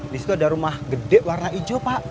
disitu ada rumah gede warna hijau pak